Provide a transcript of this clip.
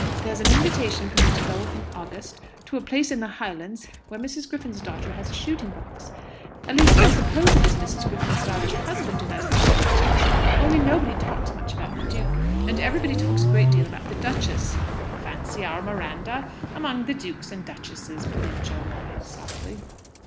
There's an invitation for me to go in August to a place in the Highlands, where Mrs. Griffin's daughter has a shooting box. At least, I suppose it is Mrs. Griffin's daughter's husband who has the shooting box. Only nobody talks much about the duke, and everybody talks a great deal about the duchess." ("Fancy our Miranda among the dukes and duchesses!" put in Jo Weatherhead, softly.